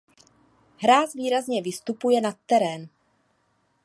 Hráz výrazně vystupuje nad terén.